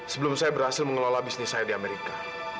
sebelum saya berhasil mengelola bisnis saya di amerika